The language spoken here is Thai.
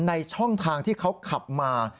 ในช่องทางที่เขาขับมา